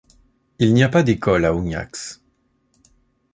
Il n'y a pas d'école à Augnax.